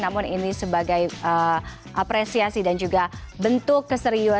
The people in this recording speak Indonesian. namun ini sebagai apresiasi dan juga bentuk keseriusan